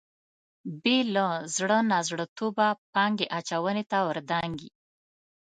بې له زړه نازړه توبه پانګې اچونې ته ور دانګي.